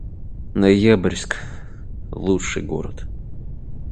Ноябрьск — лучший город